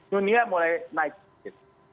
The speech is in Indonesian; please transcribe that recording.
dunia mulai naik sedikit